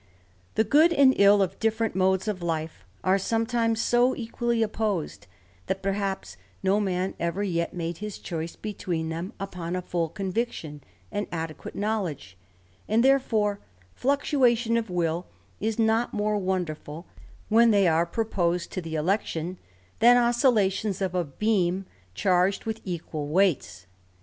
88 THE RAMBLER. The good and ill of different modes of life are sometimes so equally opposed, that perhaps no man ever yet made his choice between them upon a full conviction, and adequate knowledge; and therefore fluctuation of will is not more wonderful, when they are proposed to the election, than oscillations of a beam charged with equal weights.